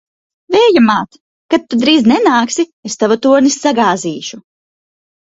Vēja māt! Kad tu drīzi nenāksi, es tavu torni sagāzīšu!